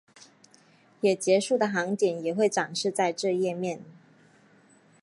也结束的航点也会展示在这页面。